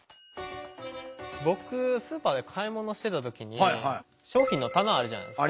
僕スーパーで買い物してた時に商品の棚あるじゃないですか。